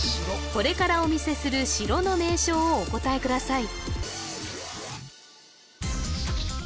これからお見せする城の名称をお答えください